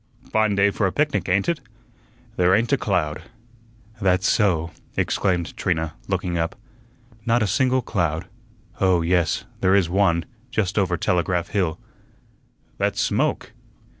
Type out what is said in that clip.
"Fine day for a picnic, ain't it? There ain't a cloud." "That's so," exclaimed Trina, looking up, "not a single cloud. Oh, yes; there is one, just over Telegraph Hill." "That's smoke."